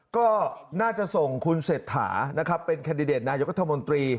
ก็น่าจะส่งคุณเศรษฐานะครับเป็นแคนดิเดตนายกัธมนตรี